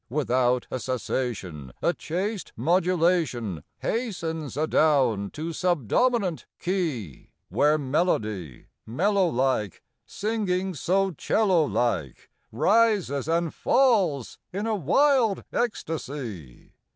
Without a cessation A chaste modulation Hastens adown to subdominant key, Where melody mellow like Singing so 'cello like Rises and falls in a wild ecstasy.